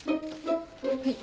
はい。